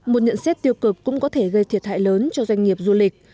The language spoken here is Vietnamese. một nhận xét tiêu cực cũng có thể gây thiệt hại lớn cho doanh nghiệp du lịch